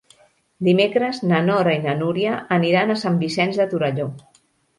Dimecres na Nora i na Núria aniran a Sant Vicenç de Torelló.